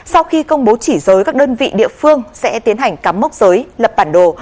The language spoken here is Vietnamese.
sau khi công bố chỉ giới các đơn vị địa phương sẽ tiến hành cắm mốc giới lập bản đồ